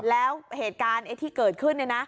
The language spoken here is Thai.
แล้วเหตุการณ์ที่เกิดขึ้น